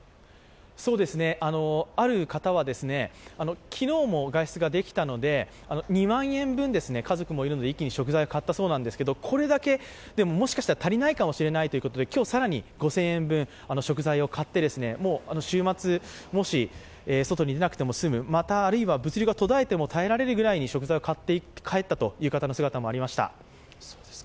ある方は、昨日も外出ができたので、２万円分、家族もいるので一気に食材を買ったそうなんですけど、これだけでももしかしたら足りないかもしれないということで今日更に５０００円分食材を買って、週末、外に出なくても済む、また物流が途絶えても耐えられるぐらいに食材を買って帰ったという方の姿もありました。